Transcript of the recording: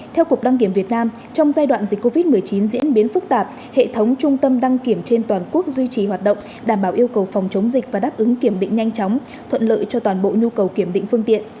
theo cục đăng kiểm việt nam trong giai đoạn dịch covid một mươi chín diễn biến phức tạp hệ thống trung tâm đăng kiểm trên toàn quốc duy trì hoạt động đảm bảo yêu cầu phòng chống dịch và đáp ứng kiểm định nhanh chóng thuận lợi cho toàn bộ nhu cầu kiểm định phương tiện